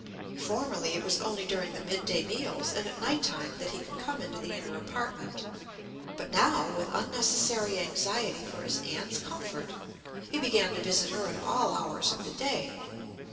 Formerly it was only during the mid day meals and at night time that he could come into the inner apartment. But now, with unnecessary anxiety for his aunt's comfort, he began to visit her at all hours of the day.